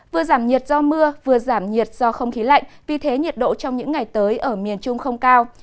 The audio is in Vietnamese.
vừa giảm nhiệt do mưa vừa giảm nhiệt do không khí lạnh vì thế nhiệt độ trong những ngày tới ở miền trung không cao